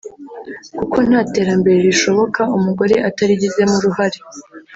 kuko nta terambere rishoboka umugore atarigizemo uruhare